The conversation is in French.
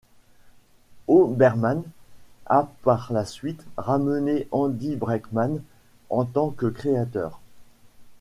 Hoberman a par la suite ramené Andy Breckman en tant que créateur.